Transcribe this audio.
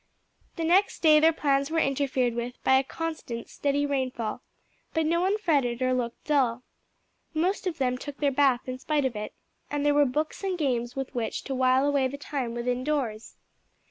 The next day their plans were interfered with by a constant, steady rainfall, but no one fretted or looked dull. Most of them took their bath in spite of it, and there were books and games with which to while away the time within doors.